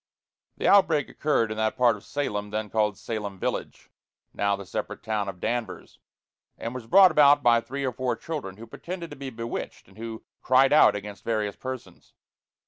The outbreak occurred in that part of Salem then called Salem Village, now the separate town of Danvers, and was brought about by three or four children who pretended to be bewitched and who "cried out" against various persons.